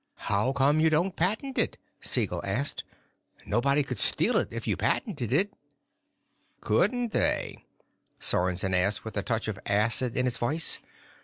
"How come you don't patent it?" Siegel asked. "Nobody could steal it if you patented it." "Couldn't they?" Sorensen asked with a touch of acid in his voice.